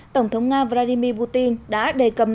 tổng thống nga vladimir putin đã đề cầm